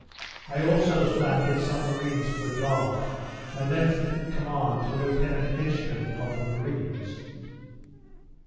I also landed some marines for a guard, and left the command to Lieutenant Edgecumbe of the marines.